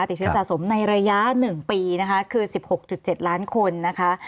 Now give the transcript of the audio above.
ติดเชื้อสะสมในระยะ๑ปีนะคะคือ๑๖๗ล้านคนนะคะ